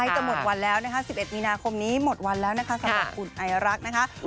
จะหมดวันแล้วนะคะ๑๑มีนาคมนี้หมดวันแล้วนะคะสำหรับคุณไอรักนะคะ